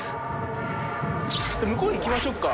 向こうに行きましょっか。